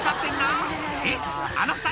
「えっあの２人？